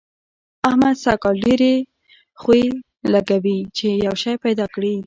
احمد سږ کال ډېرې خوې لګوي چي يو شی پيدا کړي.